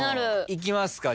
いきますか？